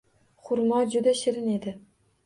Xurmo juda shirin edi